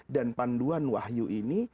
dan panduan wahyu ini